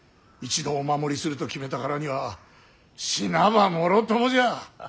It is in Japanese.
一度お守りすると決めたからには死なばもろともじゃ。